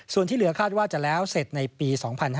ส่วนที่เหลือคาดว่าจะแล้วเสร็จในปี๒๕๕๙